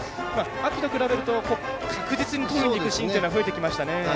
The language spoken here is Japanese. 秋と比べると確実に取りに行くシーンが増えてきましたね。